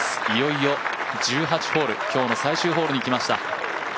いよいよ１８ホール今日の最終ホールにきました。